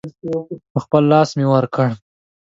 په خپل لاس مې ورکړ.